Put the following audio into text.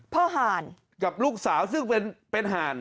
ห่านกับลูกสาวซึ่งเป็นห่าน